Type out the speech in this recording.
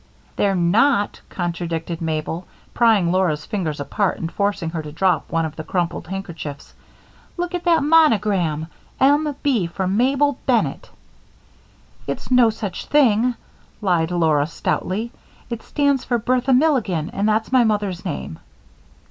"They're not," contradicted Mabel, prying Laura's fingers apart and forcing her to drop one of the crumpled handkerchiefs. "Look at that monogram 'M B' for Mabel Bennett." "It's no such thing," lied Laura, stoutly. "It stands for Bertha Milligan and that's my mother's name."